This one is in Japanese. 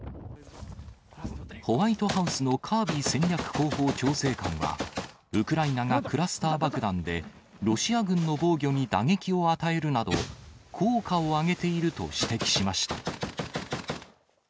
ホワイトハウスのカービー戦略広報調整官は、ウクライナがクラスター爆弾でロシア軍の防御に打撃を与えるなど、効果を上げていると指摘しました。